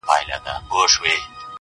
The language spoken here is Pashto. زما د هر شعر نه د هري پيغلي بد راځي,